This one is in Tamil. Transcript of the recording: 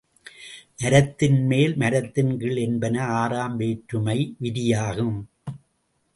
மரத்தின்மேல், மரத்தின்கீழ் என்பன ஆறாம் வேற்றுமை விரியாகும்.